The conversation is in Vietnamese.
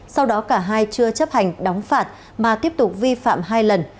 sau đó cả hai chưa chấp hành đóng phạt mà tiếp tục vi phạm hai lần